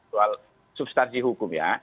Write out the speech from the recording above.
soal substansi hukum ya